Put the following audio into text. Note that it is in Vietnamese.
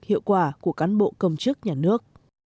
hiệu quả của cán bộ công chức nhà nước